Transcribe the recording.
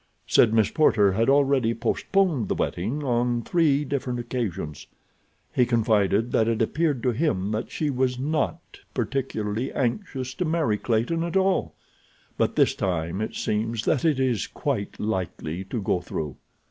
Said Miss Porter had already postponed the wedding on three different occasions. He confided that it appeared to him that she was not particularly anxious to marry Clayton at all; but this time it seems that it is quite likely to go through.